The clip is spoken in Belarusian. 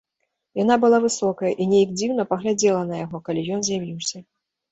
Яна была высокая і нейк дзіўна паглядзела на яго, калі ён з'явіўся.